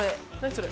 それ。